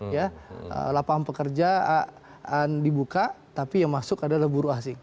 ya lapangan pekerja dibuka tapi yang masuk adalah buruh asing